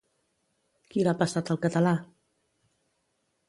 Qui l'ha passat al català?